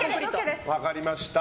分かりました。